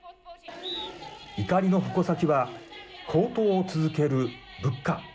怒りの矛先は高騰を続ける物価。